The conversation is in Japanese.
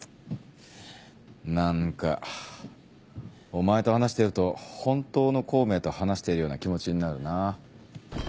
何かお前と話してると本当の孔明と話しているような気持ちになるな。